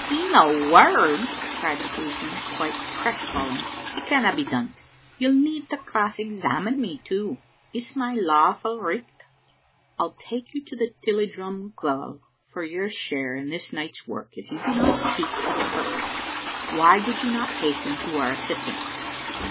"" In a word !" cried the policeman, quite crestfallen. " It canna be done. You'll need to cross examine me, too. It's my lawful richt." " I'll take you to the Tilliedrum gaol for your share in this night's work if you do not speak to the purpose. Why did you not hasten to our assistance?"